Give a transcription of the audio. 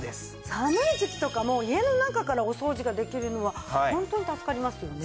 寒い時期とかも家の中からお掃除ができるのはホントに助かりますよね。